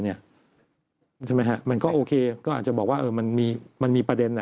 ใช่ไหมฮะมันก็โอเคก็อาจจะบอกว่ามันมีประเด็น